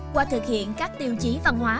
qua thực hiện các tiêu chí văn hóa